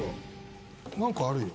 何かあるよ